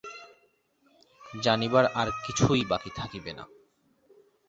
জানিবার আর কিছুই বাকী থাকিবে না।